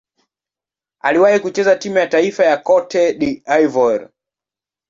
Aliwahi kucheza timu ya taifa ya Cote d'Ivoire.